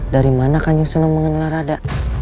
dari mana kanjong sunan mengenal radha